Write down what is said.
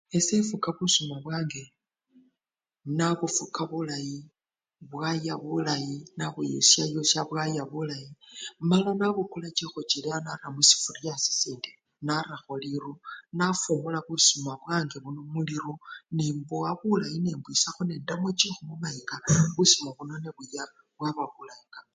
Ese efuka busuma bwange, nabufuka bulayi, bwaya bulayi, nabuyusyayusya bwaya bulayi mala nabukula chikhochilya khusifurya nara khusindi narakho riru nafumula busuma bwange buno muriru nembowa bulayi nembwisakho nendamo chikhu mumayika busima buno nebuya bwaba bulayi kapa.